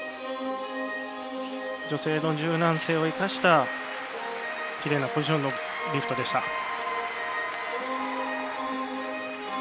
女性の柔軟性を生かしたきれいなポジションのリフトでした。